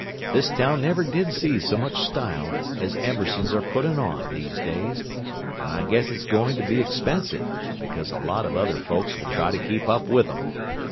This town never did see so much style as Ambersons are putting on, these days; and I guess it's going to be expensive, because a lot of other folks'll try to keep up with 'em.